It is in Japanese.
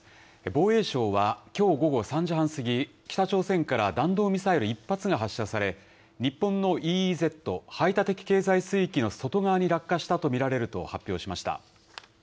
防衛省はきょう午後３時半過ぎ、北朝鮮から弾道ミサイル１発が発射され、日本のＥＥＺ・排他的経済水域の外側に落下したと見られると発表しました。